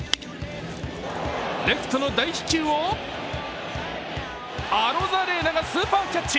レフトの大飛球をアロザレーナがスーパーキャッチ。